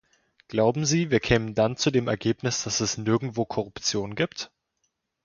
Glauben Sie, wir kämen dann zu dem Ergebnis, dass es nirgendwo Korruption gibt?